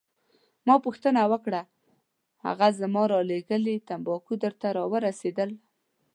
ما پوښتنه وکړه: هغه زما رالیږلي تمباکو درته راورسیدل؟